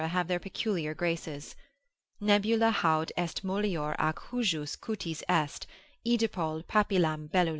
have their peculiar graces, Nebula haud est mollior ac hujus cutis est, aedipol papillam bellulam.